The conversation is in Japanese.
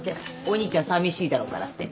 お兄ちゃんさみしいだろうからって。